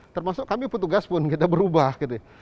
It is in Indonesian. termasuk kami petugas pun kita berubah